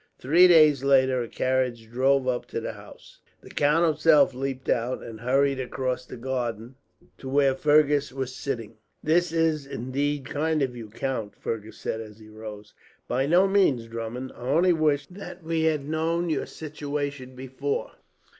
Three days later a carriage drove up to the house. The count himself leapt out, and hurried across the garden to where Fergus was sitting. "This is indeed kind of you, count," Fergus said, as he rose. "By no means, Drummond. I only wish that we had known your situation before.